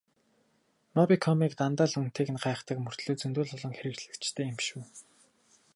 Мобикомыг дандаа л үнэтэйг нь гайхдаг мөртөө зөндөө л олон хэрэглэгчтэй юм биш үү?